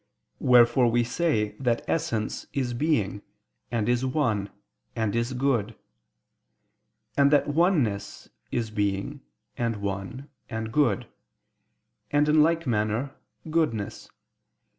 Wherefore we say that essence is being and is one and is good; and that oneness is being and one and good: and in like manner goodness.